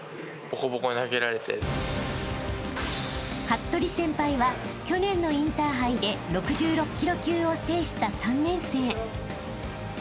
［服部先輩は去年のインターハイで６６ｋｇ級を制した３年生］